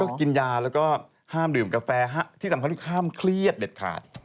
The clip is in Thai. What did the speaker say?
ก็กินยาแล้วก็ห้ามดื่มกาแฟที่สำคัญห้ามเครียดเด็ดขาด